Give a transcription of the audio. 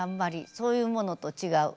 そういうものと違う。